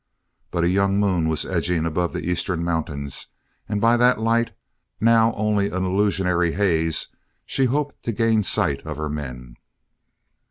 But a young moon was edging above the eastern mountains and by that light, now only an illusory haze, she hoped to gain sight of her men.